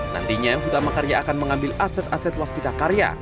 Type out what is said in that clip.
nantinya hutama karya akan mengambil aset aset waskita karya